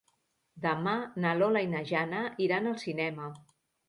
Demà na Lola i na Jana iran al cinema.